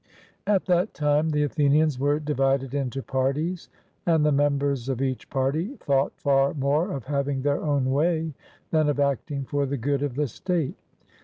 At that time the Athenians were divided into parties, and the members of each party thought far more of having their own way than of acting for the good of the state.